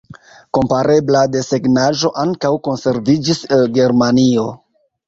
Komparebla desegnaĵo ankaŭ konserviĝis el Germanio.